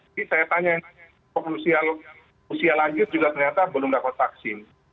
jadi saya tanya ke provusional usia lanjut juga ternyata belum dapat vaksin